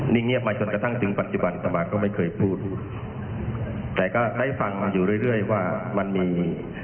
เงียบมาจนกระทั่งถึงปัจจุบันสมาก็ไม่เคยพูดแต่ก็ให้ฟังอยู่เรื่อยเรื่อยว่ามันมี